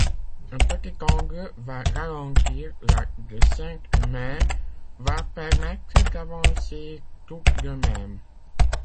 Un petit angle va ralentir la descente mais va permettre d'avancer tout de même.